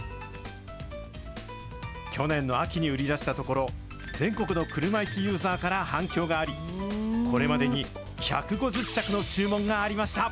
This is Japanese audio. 去年の秋に売り出したところ、全国の車いすユーザーから反響があり、これまでに１５０着の注文がありました。